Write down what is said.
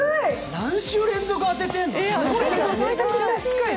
何週連続当ててるの！？